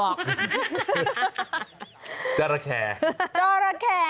โอ้ยโจรแคร